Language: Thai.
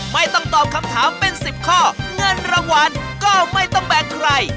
ไม่ต้องตอบคำถามเป็น๑๐ข้อเงินรางวัลก็ไม่ต้องแบ่งใคร